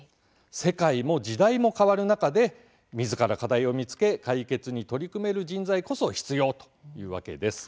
世界も時代も変わる中でみずから課題を見つけ解決に取り組める人材こそ必要というわけです。